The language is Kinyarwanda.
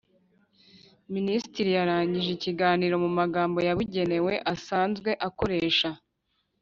minisitiri yarangije ikiganiro mu magambo yabugenewe asanzwe akoresha